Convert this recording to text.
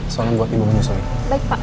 soalnya buat ibu menyusui baik pak